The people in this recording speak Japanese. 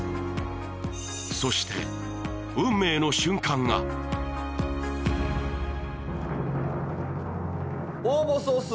そして運命の瞬間が応募総数